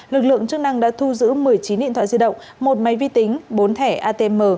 lực lượng chức năng đã thu giữ một mươi chín điện thoại di động một máy vi tính bốn thẻ atm